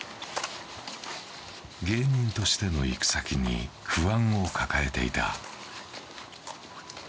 芸人としての行く先に不安を抱えていた。